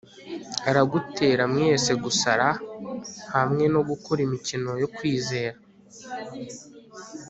Aragutera mwese gusara hamwe no gukora imikino yo kwizera